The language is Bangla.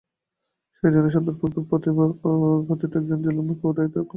সেই দিনই সন্ধ্যার পূর্বে প্রতাপাদিত্য একজন জেলের মুখে উদয়াদিত্যের পলায়ন সংবাদ পাইলেন।